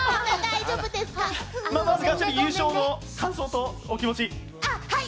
まずガチャピン、優勝の感想とお気持ち。